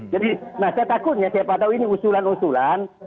jadi saya takutnya siapa tahu ini usulan usulan